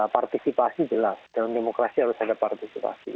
partisipasi jelas dalam demokrasi harus ada partisipasi